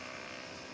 nggak ada pakarnya